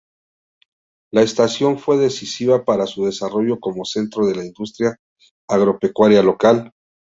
La estación fue decisiva para su desarrollo como centro de la industria agropecuaria local.